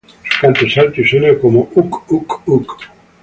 Su canto es alto y suena como "uk-uk-uk".